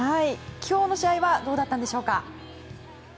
今日の試合はどうだったんでしょうか。